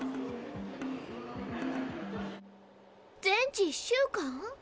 全治１週間？